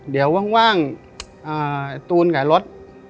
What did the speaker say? เดี๋ยวว่างตูนกับรถ